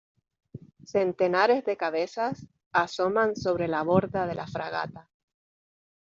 centenares de cabezas asoman sobre la borda de la fragata